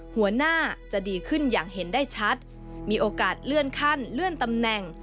หัวหน้าจะดีขึ้นอย่างเห็นได้ชัดมีโอกาสเลื่อนขั้นเลื่อนตำแหน่ง